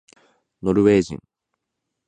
ノルウェー人